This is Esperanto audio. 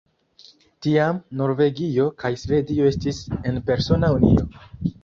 Tiam, Norvegio kaj Svedio estis en persona unio.